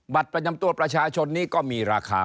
ประจำตัวประชาชนนี้ก็มีราคา